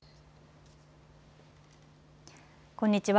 こんにちは。